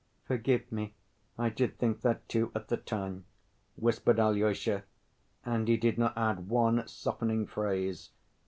"Forgive me, I did think that, too, at the time," whispered Alyosha, and he did not add one softening phrase.